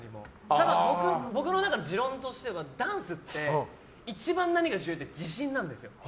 ただ、僕の中の持論としてはダンスって一番何が重要って自信なんですよ。